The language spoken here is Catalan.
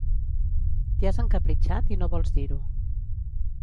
T'hi has encapritxat i no vols dir-ho.